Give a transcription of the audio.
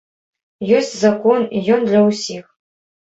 Ёсць закон, і ён для ўсіх.